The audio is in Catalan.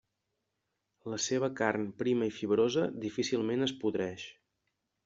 La seva carn prima i fibrosa difícilment es podreix.